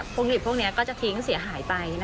ดิบพวกนี้ก็จะทิ้งเสียหายไป